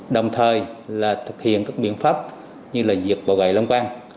đồng thời thực hiện các biện pháp như diệt bọ gậy lông quang